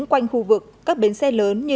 quanh khu vực các bến xe lớn như